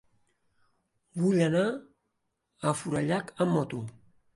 Vull anar a Forallac amb moto.